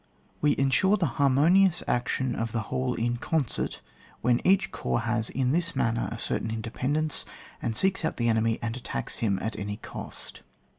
We ensure the harmonious action of the whole in concert when each corps has in this manner a certain independence, and seeks out the enemy and attacks >n'm at any cost.